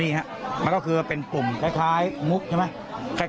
นี่ฮะมันก็คือเป็นปุ่มคล้ายมุกใช่ไหม